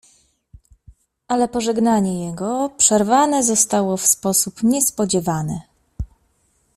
"Ale pożegnanie jego przerwane zostało w sposób niespodziewany."